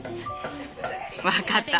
分かった！